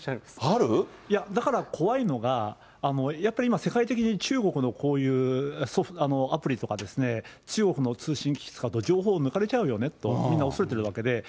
だから怖いのが、やっぱり今、世界的に中国のこういうアプリとか、中国の通信機器使うと情報抜かれちゃうよねと、みんな恐れてるわけで。